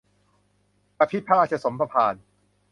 บพิตรพระราชสมภาร